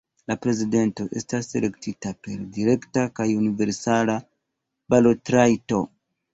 La prezidento estas elektita per direkta kaj universala balotrajto.